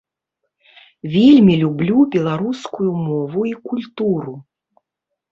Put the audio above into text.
Вельмі люблю беларускую мову і культуру.